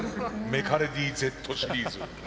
メカレディーＺシリーズ。